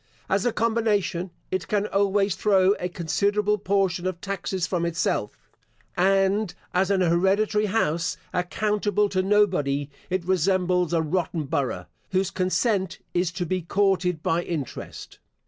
As a combination, it can always throw a considerable portion of taxes from itself; and as an hereditary house, accountable to nobody, it resembles a rotten borough, whose consent is to be courted by interest.